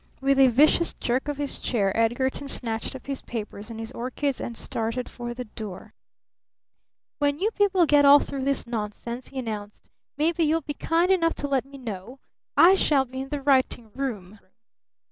With a vicious jerk of his chair Edgarton snatched up his papers and his orchids and started for the door. [Illustration: "You're nice," he said. "I like you!"] "When you people get all through this nonsense," he announced, "maybe you'll be kind enough to let me know! I shall be in the writing room!"